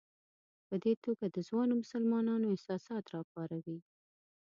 په دې توګه د ځوانو مسلمانانو احساسات راپاروي.